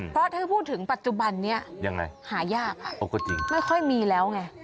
เพราะถ้าพูดถึงปัจจุบันนี้ยังไงหายากไม่ค่อยมีแล้วไง